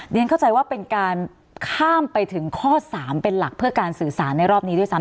เข้าใจว่าเป็นการข้ามไปถึงข้อ๓เป็นหลักเพื่อการสื่อสารในรอบนี้ด้วยซ้ำ